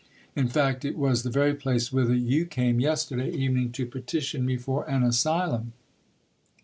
In fact, it was the very place whither you came yesterday evening to petition me for an asylum.